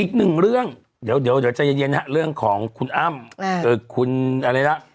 อีกหนึ่งเรื่องเดี๋ยวใจเย็นฮะเรื่องของคุณอ้ำคุณอะไรล่ะ